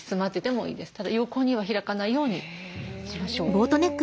ただ横には開かないようにしましょう。